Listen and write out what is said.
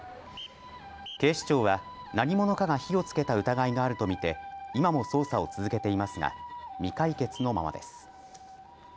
警視庁は何者かが火をつけた疑いがあると見て今も捜査を続けていますが未解決のままです。